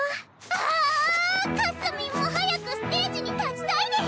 あかすみんも早くステージに立ちたいです！